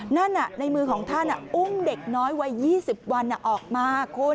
นั่นในมือของท่านอุ้มเด็กน้อยวัย๒๐วันออกมาคุณ